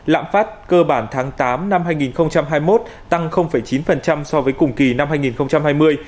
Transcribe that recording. lạm phát cơ bản tháng tám năm hai nghìn hai mươi một tăng chín so với cùng kỳ năm hai nghìn hai mươi